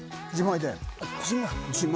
自前。